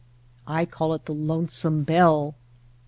I call it the Lonesome Bell."